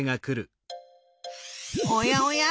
おやおや？